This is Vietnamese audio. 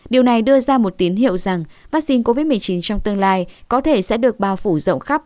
điều này đưa ra một tín hiệu rằng vaccine covid một mươi chín trong tương lai có thể sẽ được bao phủ rộng khắp